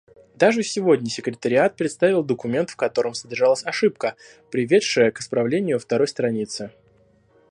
Даже сегодня секретариат представил документ, в котором содержалась ошибка, приведшая к исправлению второй страницы.